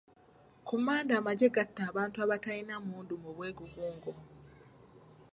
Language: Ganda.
Ku Mande amagye gatta abantu abataalina mmundu mu bwegugungo.